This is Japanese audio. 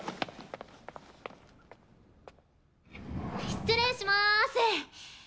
失礼します。